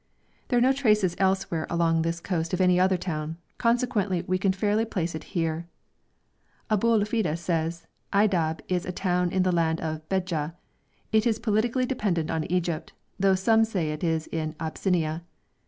There are no traces elsewhere along this coast of any other town, consequently we can fairly place it here. Abou'lfida says: 'Aydab is a town in the land of Bedja; it is politically dependent on Egypt, though some say it is in Abyssinia.